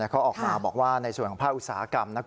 เขาออกมาบอกว่าในส่วนของภาคอุตสาหกรรม